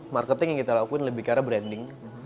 marketing yang kita lakuin lebih karena branding